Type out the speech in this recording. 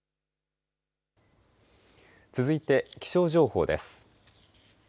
続いて気象情報です。